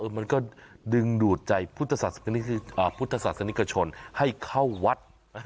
เออมันก็ดึงดูดใจพุทธศาสตร์อ่าพุทธศาสตร์สนิกชนให้เข้าวัด